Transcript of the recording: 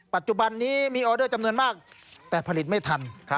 ปัจจุบันนี้มีออเดอร์จำนวนมากแต่ผลิตไม่ทัน